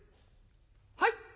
「はい？」。